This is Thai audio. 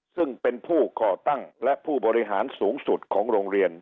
ซึ่งเป็นผู้ก่อตั้งและผู้บริหารสูงสุดของโรงเรียน